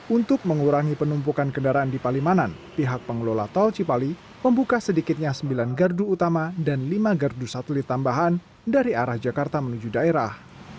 untuk mengurangi penumpukan kendaraan di palimanan pihak pengelola tol cipali membuka sedikitnya sembilan gardu utama dan lima gardu satelit tambahan dari arah jakarta menuju daerah